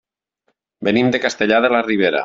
Venim de Castellar de la Ribera.